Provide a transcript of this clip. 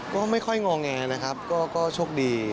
ก็ไม่ค่อยงอแงนะครับก็โชคดี